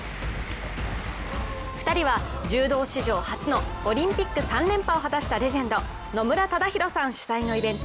２人は柔道史上初のオリンピック３連覇を果たしたレジェンド、野村忠宏さん主催のイベント